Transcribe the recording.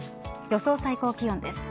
予想最高気温です。